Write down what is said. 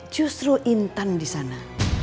justru intan di sana